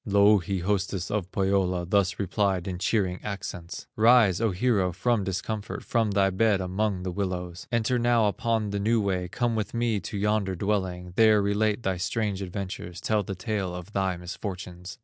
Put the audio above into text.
Louhi, hostess of Pohyola, Thus replied in cheering accents: "Rise, O hero, from discomfort, From thy bed among the willows; Enter now upon the new way, Come with me to yonder dwelling, There relate thy strange adventures, Tell the tale of thy misfortunes."